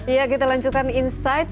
iya kita lanjutkan insight